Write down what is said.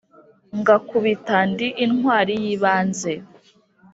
Ngakubita ndi intwali y’ibanze.